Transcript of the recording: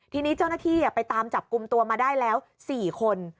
ทีนี้เจ้าหน้าที่ไปตามจับกลุ่มตัวมาได้แล้ว๔คน